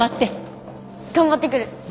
頑張ってくる。